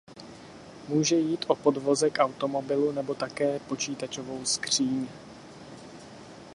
Může jít o podvozek automobilu nebo také počítačovou skříň.